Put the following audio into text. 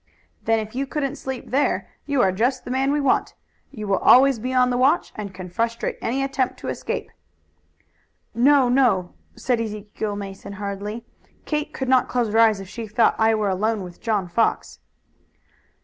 "Then if you couldn't sleep there you are just the man we want. You will always be on the watch and can frustrate any attempt to escape." "No, no," said Ezekiel Mason hurriedly. "Kate could not close her eyes if she thought I were alone with John Fox."